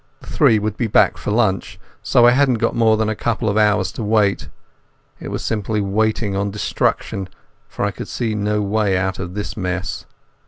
The three would be back for lunch, so I hadn't more than a couple of hours to wait. It was simply waiting on destruction, for I could see no way out of this mess.